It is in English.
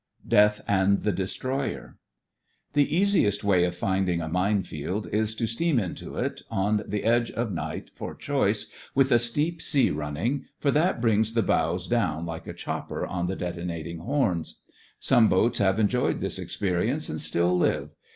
DEATH AND THE DESTROYER The easiest way of finding a mine field is to steam into it, on the edge of night for choice, with a steep sea run ning, for that brings the bows down like a chopper on the detonating horns. Some boats have enjoyed this experience and still live.